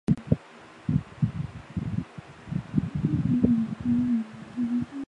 校务委员会主席和校长获准请辞。